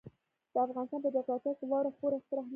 د افغانستان په جغرافیه کې واوره خورا ستر اهمیت لري.